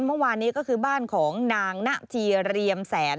เมื่อวานนี้ก็คือบ้านของนางนะทีเรียมแสน